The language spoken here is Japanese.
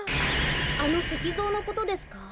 あのせきぞうのことですか？